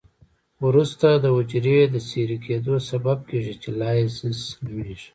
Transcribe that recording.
وروسته د حجري د څیرې کیدو سبب کیږي چې لایزس نومېږي.